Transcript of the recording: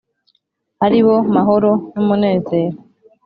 ari bo "mahoro " n '" umunezero "